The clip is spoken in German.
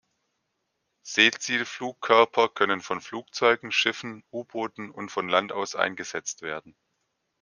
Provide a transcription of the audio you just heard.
Seezielflugkörper können von Flugzeugen, Schiffen, U-Booten und von Land aus eingesetzt werden.